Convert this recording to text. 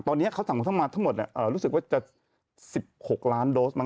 ตอนนี้เขาสั่งเข้ามาทั้งหมดรู้สึกว่าจะ๑๖ล้านโดสมั